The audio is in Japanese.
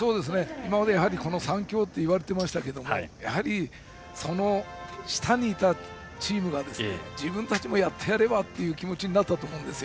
今まで３強といわれてましたけどやはりその下にいたチームが自分たちもやってやるという気持ちになったと思うんです。